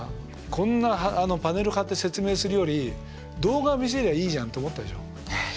こんなパネル貼って説明するより動画見せりゃいいじゃんって思ったでしょ？